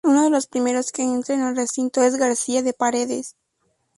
Uno de los primeros que entra en el recinto es García de Paredes.